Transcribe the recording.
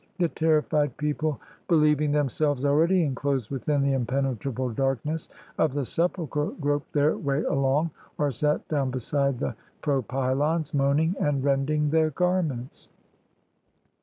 The terrified people, beheving themselves already inclosed within the impenetrable darkness of the sepulcher, groped their way along, or sat down beside the propylons, moaning and rending their garments.